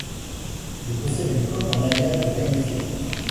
Il possède une coque en alliage de magnésium.